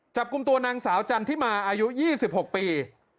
จับกลุ่มตัวนางสาวจันทิมาอายุ๒๖ปี